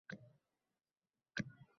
G’isht ustini andava bilan loyladi.